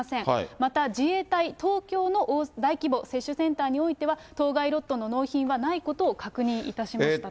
また、自衛隊東京の大規模接種センターにおいては、当該ロットの納品はないことを確認いたしましたと。